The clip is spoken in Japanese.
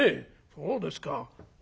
そうですか。